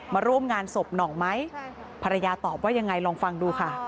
มาร่วมงานศพหน่องไหมภรรยาตอบว่ายังไงลองฟังดูค่ะ